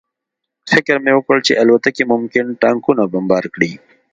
فکر مې وکړ چې الوتکې ممکن ټانکونه بمبار کړي